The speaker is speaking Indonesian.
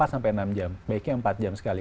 empat sampai enam jam baiknya empat jam sekali